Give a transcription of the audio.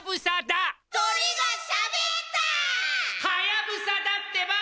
はやぶさだってば！